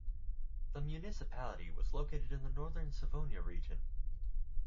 The municipality was located in the Northern Savonia region.